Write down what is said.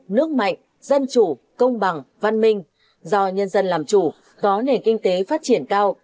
nước mạnh dân chủ công bằng văn minh do nhân dân làm chủ có nền kinh tế phát triển cao